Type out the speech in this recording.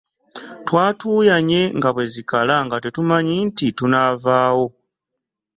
Twatuuyanye nga bwe zikala nga tetumanyi nti tunaavaawo.